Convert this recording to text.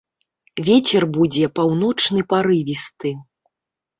Вецер будзе паўночны парывісты.